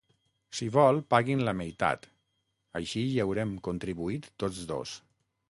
Si vol pagui'n la meitat així hi haurem contribuït tots dos.